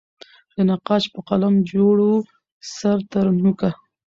د نقاش په قلم جوړ وو سر ترنوکه